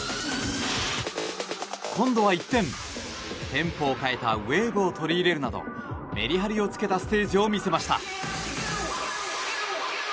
今度は一転、テンポを変えたウェーブを取り入れるなどメリハリをつけたステージを見せました。